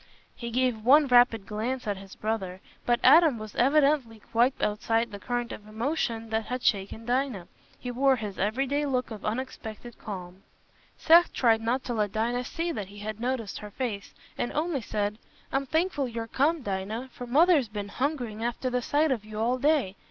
He gave one rapid glance at his brother, but Adam was evidently quite outside the current of emotion that had shaken Dinah: he wore his everyday look of unexpectant calm. Seth tried not to let Dinah see that he had noticed her face, and only said, "I'm thankful you're come, Dinah, for Mother's been hungering after the sight of you all day.